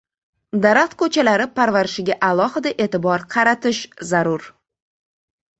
Daraxt ko‘chatlari parvarishiga alohida e’tibor qaratish zarur